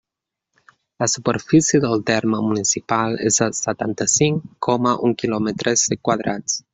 La superfície del terme municipal és de setanta-cinc coma un quilòmetres quadrats.